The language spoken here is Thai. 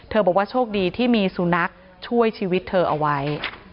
บอกว่าโชคดีที่มีสุนัขช่วยชีวิตเธอเอาไว้